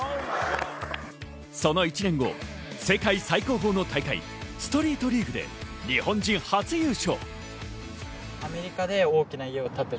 その１年後、世界最高峰の大会、ストリートリーグで日本人初優勝。